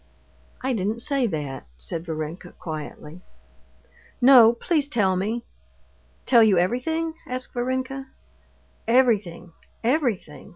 "I didn't say that," said Varenka quietly. "No, please tell me!" "Tell you everything?" asked Varenka. "Everything, everything!"